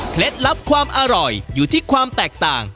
ลับความอร่อยอยู่ที่ความแตกต่าง